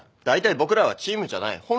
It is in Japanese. だいたい僕らはチームじゃない。